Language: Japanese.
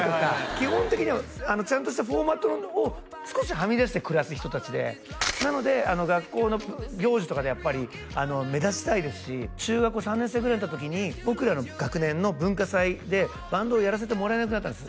基本的にはちゃんとしたフォーマットを少しはみ出して暮らす人達でなので学校の行事とかでやっぱり目立ちたいですし中学校３年生になった時に僕らの学年の文化祭でバンドをやらせてもらえなくなったんです